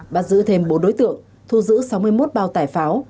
bắt giữ thêm bốn đối tượng thu giữ sáu mươi một bao tải pháo